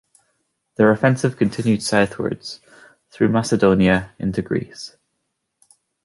Their offensive continued southwards, through Macedonia into Greece.